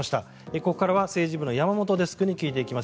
ここからは政治部の山本デスクに聞いていきます。